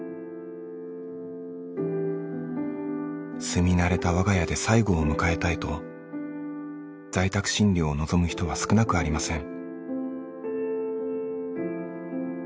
「住み慣れた我が家で最期を迎えたい」と在宅診療を望む人は少なくありません。